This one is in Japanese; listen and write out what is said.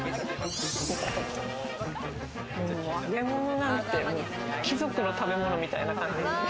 揚げ物なんて貴族の食べ物みたいな感じ。